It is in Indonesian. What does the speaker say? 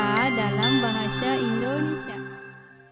cerita dalam bahasa indonesia